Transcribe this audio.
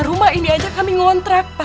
rumah ini aja kami ngontrak pak